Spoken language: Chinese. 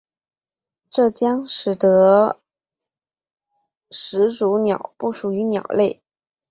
这将使得始祖鸟不属于鸟类。